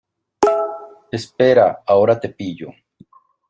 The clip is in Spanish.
espera, ahora te pillo.